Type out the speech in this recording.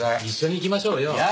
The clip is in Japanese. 一緒に行きましょうよ。